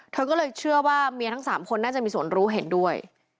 เธอก็เลยเชื่อว่าเมียทั้ง๓คนน่าจะมีส่วนรู้เห็นด้วย